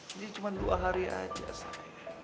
dia dia cuma dua hari aja sayang